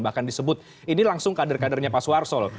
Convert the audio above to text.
bahkan disebut ini langsung kader kadernya pak suwarso